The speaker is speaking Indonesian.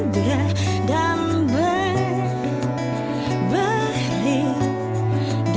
pak ini pak